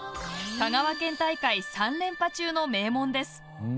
香川県大会３連覇中の名門です。